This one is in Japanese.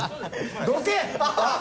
どけ！